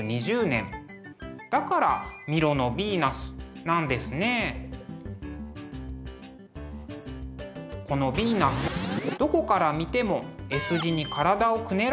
だから「ミロのヴィーナス」なんですね。このヴィーナスどこから見てもＳ字に体をくねらせています。